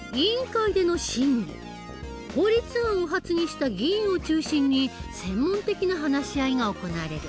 法律案を発議した議員を中心に専門的な話し合いが行われる。